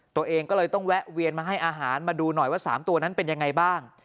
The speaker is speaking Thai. ตัวเองก็เลยต้องแวะเวียนมาให้อาหารมาดูหน่อยว่า๓ตัวนั้นเป็นยังไงบ้าง